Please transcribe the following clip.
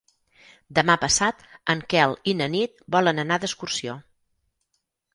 Demà passat en Quel i na Nit volen anar d'excursió.